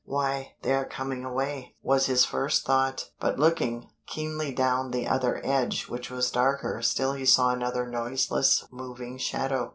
"Why, they are coming away," was his first thought. But looking keenly down the other edge which was darker still he saw another noiseless moving shadow.